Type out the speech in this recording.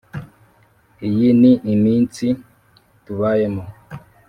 iyi ni iminsi tubayemo.